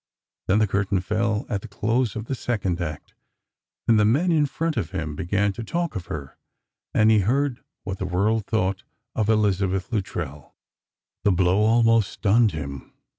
Then the curtain fell at the close of the second act, and the men in front of him began to talk of her, and he heard what the world thought of Elizabeth Luttrell The blow almost stunned him.